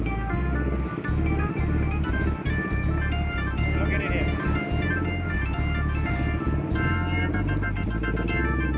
ternyata sudah tunangan